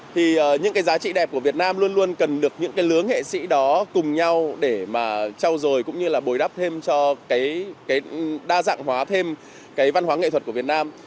thì những cái giá trị đẹp của việt nam luôn luôn cần được những cái lướng nghệ sĩ đó cùng nhau để mà trao dồi cũng như là bồi đắp thêm cho cái đa dạng hóa thêm cái văn hóa nghệ thuật của việt nam